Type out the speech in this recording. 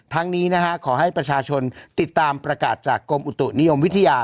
นี้นะฮะขอให้ประชาชนติดตามประกาศจากกรมอุตุนิยมวิทยา